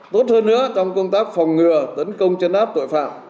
tốt hơn nữa trong công tác phòng ngừa tấn công chấn áp tội phạm